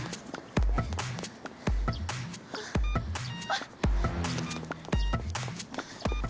あっ！